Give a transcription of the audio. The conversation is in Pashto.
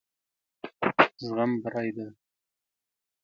زغم بري دی.